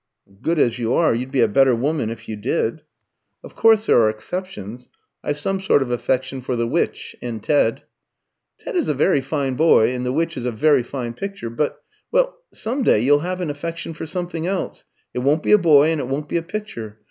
"Good as you are, you'd be a better woman if you did." "Of course there are exceptions. I've some sort of affection for the Witch and Ted." "Ted is a very fine boy, and the Witch is a very fine picture, but well, some day you'll have an affection for something else; it won't be a boy, and it won't be a picture.